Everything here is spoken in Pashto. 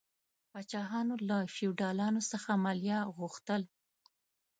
پاچاهانو له فیوډالانو څخه مالیه غوښتل.